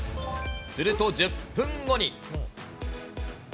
すると１０分後に。